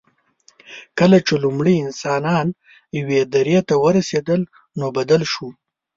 کله چې لومړي انسانان یوې درې ته ورسېدل، نو بدل شو.